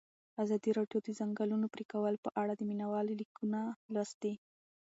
ازادي راډیو د د ځنګلونو پرېکول په اړه د مینه والو لیکونه لوستي.